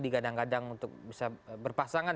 digadang gadang untuk bisa berpasangan